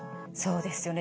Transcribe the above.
そうです。